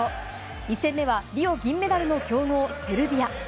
２戦目はリオ銀メダルの強豪、セルビア。